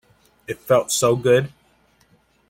It felt so good.